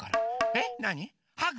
えっなに？